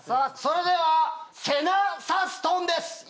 それではセナサストンです